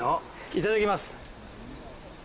いただきます。